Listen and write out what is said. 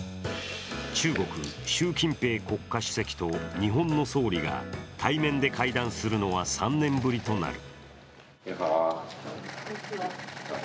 中国・習近平国家主席と日本の総理が対面で会談するのは３年ぶりとなる。